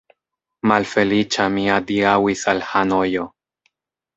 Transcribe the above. Malfeliĉa mi adiaŭis al Hanojo.